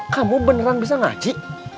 kamu beneran bisa ngaji